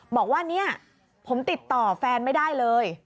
บอกว่าเนี่ยผมติดต่อแฟนไม่ได้เลย